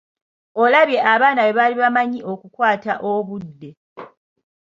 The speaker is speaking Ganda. Olabye abaana bwe baali bamanyi okukwata obudde!